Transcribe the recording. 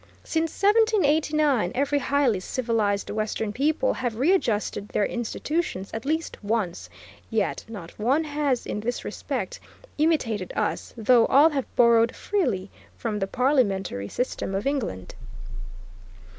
Since 1789, every highly civilized Western people have readjusted their institutions at least once, yet not one has in this respect imitated us, though all have borrowed freely from the parliamentary system of England.